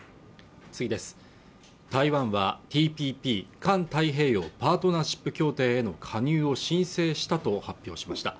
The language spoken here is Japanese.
台湾はＴＰＰ＝環太平洋パートナーシップ協定への加入を申請したと発表しました